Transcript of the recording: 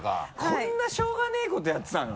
こんなしょうがねぇことやってたの？